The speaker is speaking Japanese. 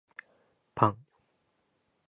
パン